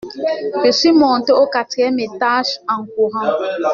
Je suis monté au quatrième étage en courant.